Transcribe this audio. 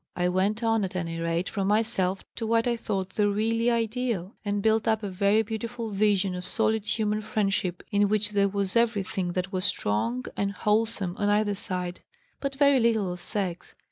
I went on, at any rate, from myself to what I thought the really ideal and built up a very beautiful vision of solid human friendship in which there was everything that was strong and wholesome on either side, but very little of sex.